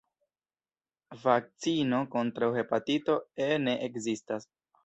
Vakcino kontraŭ hepatito E ne ekzistas.